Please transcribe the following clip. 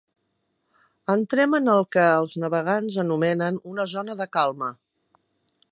Entrem en el que els navegants anomenen una zona de calma.